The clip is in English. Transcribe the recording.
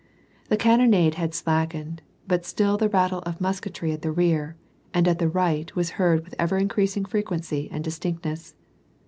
The cannonade had slackened, but still the rattle of musketry at the rear, and at the right was heard with ever increasing frequency and distinctness.